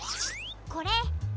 これ。